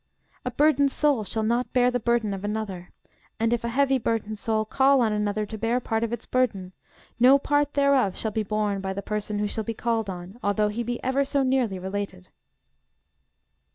A burdened soul shall not bear the burden of another: and if a heavy burdened soul call on another to bear part of its burden, no part thereof shall be borne by the person who shall be called on, although he be ever so nearly related.